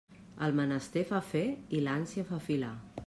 El menester fa fer i l'ànsia fa filar.